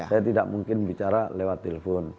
saya tidak mungkin bicara lewat telepon